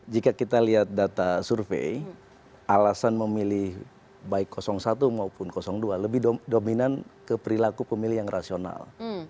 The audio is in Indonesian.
jika kita lihat data survei alasan memilih baik satu maupun dua lebih dominan ke perilaku pemilih yang rasional